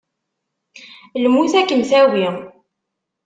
Lmut ad kem-tawi!